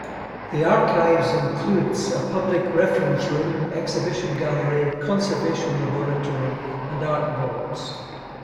The Archives includes a public reference room, exhibition gallery, conservation laboratory, and art vaults.